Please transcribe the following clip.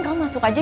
kamu masuk aja